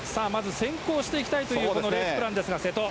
先行していきたいというレースプランですが、瀬戸。